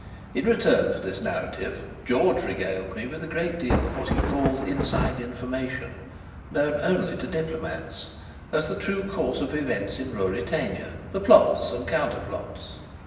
In return for this narrative, George regaled me with a great deal of what he called "inside information" (known only to diplomatists), as to the true course of events in Ruritania, the plots and counterplots.